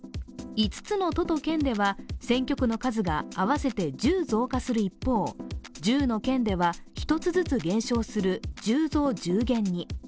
５つの都と県では選挙区の数が合わせて１０増加する一方、１０の県では１つずつ減少する１０増１０減に。